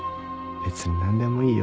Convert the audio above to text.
別に何でもいいよ